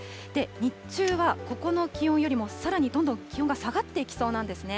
日中はここの気温よりもさらにどんどん気温が下がっていきそうなんですね。